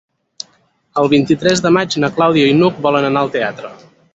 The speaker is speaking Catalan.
El vint-i-tres de maig na Clàudia i n'Hug volen anar al teatre.